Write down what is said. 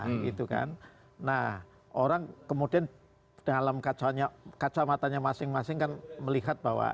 nah orang kemudian dalam kacamatanya masing masing kan melihat bahwa